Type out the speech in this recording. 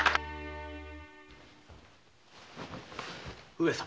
上様